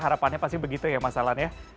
harapannya pasti begitu ya mas alan ya